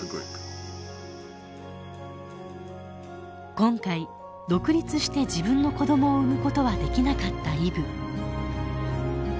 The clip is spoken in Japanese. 今回独立して自分の子どもを産むことはできなかったイブ。